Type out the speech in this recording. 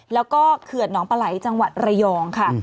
แล้วก็เขื่อนหนองปลาไหลจังหวัดระยองค่ะ